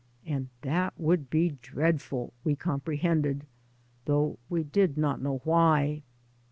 And that would be dreadful, we comprehended, though we did not know why.